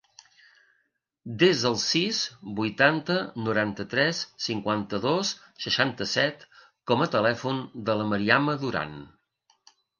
Desa el sis, vuitanta, noranta-tres, cinquanta-dos, seixanta-set com a telèfon de la Mariama Duran.